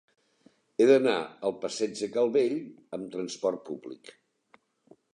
He d'anar al passeig de Calvell amb trasport públic.